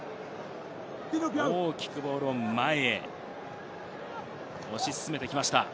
大きくボールを前へ押し進めていきました。